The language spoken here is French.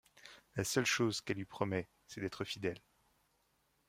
La seule chose qu'elle lui promet, c'est d'être fidèle.